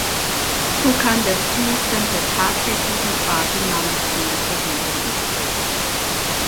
So kann der Zustand der tatsächlichen Fahrdynamik von Motorrädern entsprechen.